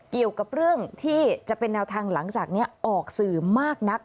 เกี่ยวกับเรื่องที่จะเป็นแนวทางหลังจากนี้ออกสื่อมากนัก